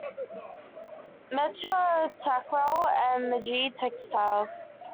Metro, Takral and Majeed Textiles.